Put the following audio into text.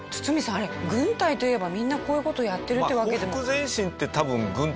あれ軍隊といえばみんなこういう事やってるってわけじゃ。